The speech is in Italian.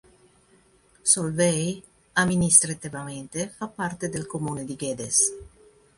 Solvay, amministrativamente fa parte del comune di Geddes.